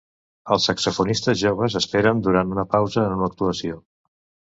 Els saxofonistes joves esperen durant una pausa en una actuació